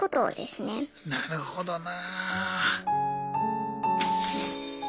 なるほどな。